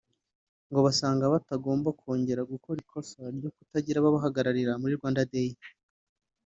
ngo basanga batagomba kongera gukora ikosa ryo kutagira ababahagararira muri Rwanda Day